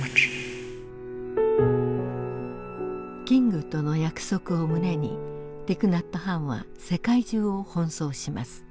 キングとの約束を胸にティク・ナット・ハンは世界中を奔走します。